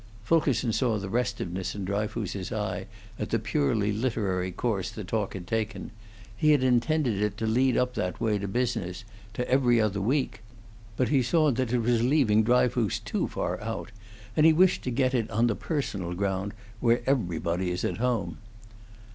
Fulkerson saw the restiveness in Dryfoos's eye at the purely literary course the talk had taken; he had intended it to lead up that way to business, to 'Every Other Week;' but he saw that it was leaving Dryfoos too far out, and he wished to get it on the personal ground, where everybody is at home.